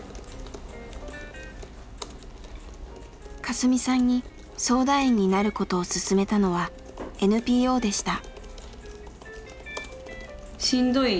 カスミさんに相談員になることを勧めたのはＮＰＯでした。